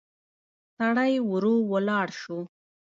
سړی ورو ولاړ شو.